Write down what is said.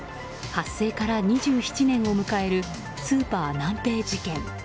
発生から２７年を迎えるスーパーナンペイ事件。